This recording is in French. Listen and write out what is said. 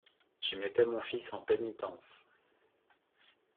J'y mettais mon fils en pénitence.